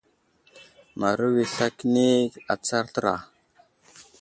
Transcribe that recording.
Maru i sla kəni atsar təra.